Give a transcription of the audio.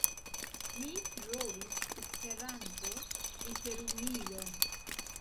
Mi trovis Esperanto literumilon.